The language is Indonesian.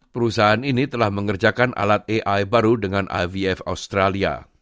perusahaan ini telah mengerjakan alat ai baru dengan ivf australia